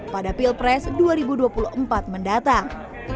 pada pilpres dua ribu dua puluh empat mendatang